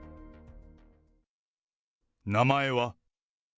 名前は？